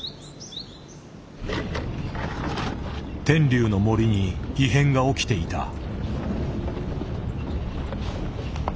天竜の森に異変が起きていた。